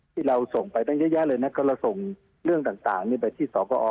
ที่เราส่งไปตั้งเยอะแยะเลยนะก็เราส่งเรื่องต่างนี้ไปที่สกอ